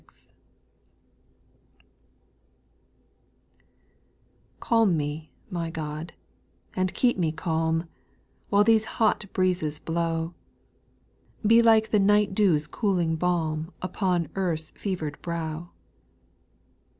/^ALM me, my God, and keep me calm, \J While these hot breezes blow ; Be like the night dew's cooling balm • Upon earth^s fever'd brow.